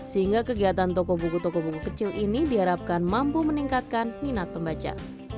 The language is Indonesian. sehingga kegiatan toko buku toko buku kecil ini diharapkan mampu meningkatkan minat pembaca